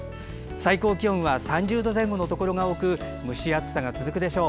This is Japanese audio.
最高気温は３０度前後のところが多く蒸し暑さが続くでしょう。